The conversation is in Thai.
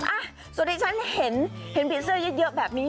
อ่ะส่วนที่ฉันเห็นผีเสื้อเยอะแบบนี้